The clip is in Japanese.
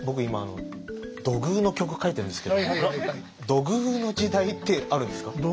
今土偶の曲書いてるんですけど土偶の時代ってあるんですか？